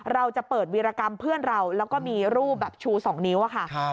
เราจะเปิดวีรกรรมเพื่อนเราแล้วก็มีรูปแบบชู๒นิ้วอะค่ะ